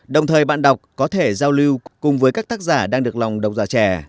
đồng thời bạn đọc có thể giao lưu cùng với các tác giả đang được lòng đọc giả trẻ